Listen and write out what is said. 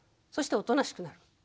そしておとなしくなる。